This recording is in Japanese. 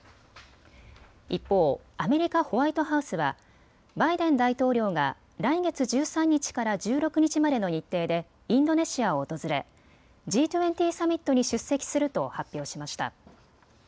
一方、アメリカ・ホワイトハウスはバイデン大統領が来月１３日から１６日までの日程でインドネシアを訪れＧ２０サミットに出席すると発表しました。